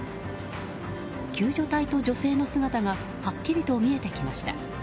救助隊と女性の姿がはっきりと見えてきました。